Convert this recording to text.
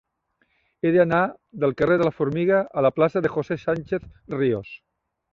He d'anar del carrer de la Formiga a la plaça de José Sánchez Ríos.